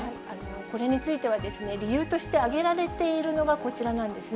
これについてはですね、理由として挙げられているのはこちらなんですね。